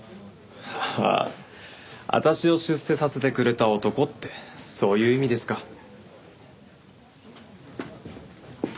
ああ「私を出世させてくれた男」ってそういう意味ですか。